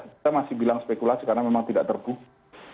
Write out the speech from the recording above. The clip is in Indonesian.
saya masih bilang spekulasi karena memang tidak terbuka